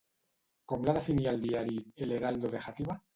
Com la definia el diari El Heraldo de Játiva?